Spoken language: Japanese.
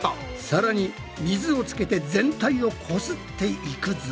さらに水をつけて全体をこすっていくぞ。